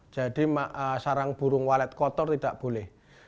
jadi sarang burung walet kotor tidak boleh